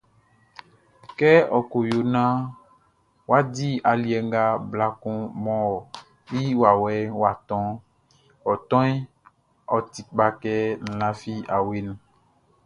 Kɛ ɔ ko yo naan wʼa di aliɛ nga bla kun mɔ i wawɛʼn wʼa tɔʼn, ɔ tɔnʼn, ɔ ti kpa, kɛ n lafi awe nunʼn.